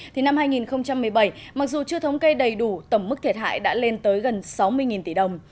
thì năm hai nghìn một mươi bảy mặc dù chưa thống kê đầy đủ tổng mức thiệt hại đã lên tới gần sáu mươi tỷ đồng